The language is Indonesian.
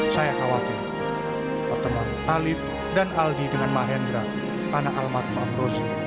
saya khawatir bertemu alif dan aldi dengan mahendra anak almat maaf rosi